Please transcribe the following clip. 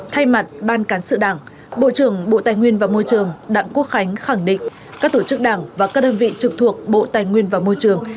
thay mặt ban cán sự đảng bộ trưởng bộ tài nguyên và môi trường đảng quốc khánh khẳng định các tổ chức đảng và các đơn vị trực thuộc bộ tài nguyên và môi trường